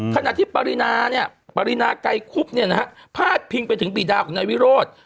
ขณะที่ปรินาไกรคุบพาดพิงไปถึงปีดาของรัฐวิโรธ